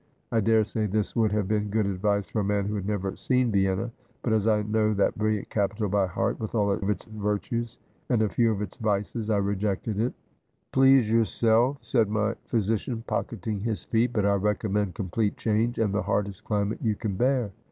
I daresay this would have been good advice for a man who had never seen Vienna ; but as I know that brilliant capital by heart, with all its virtues, and a few of its vices, I rejected it. " Please yourself," said my physician, pocketing his fee ; but I recommend complete change, and the hardest climate you can bear."